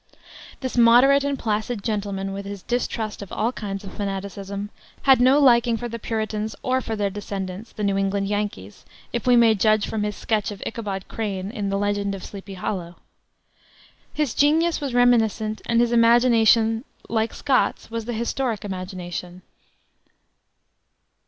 This moderate and placid gentleman, with his distrust of all kinds of fanaticism, had no liking for the Puritans or for their descendants, the New England Yankees, if we may judge from his sketch of Ichabod Crane, in the Legend of Sleepy Hollow. His genius was reminiscent, and his imagination, like Scott's, was the historic imagination.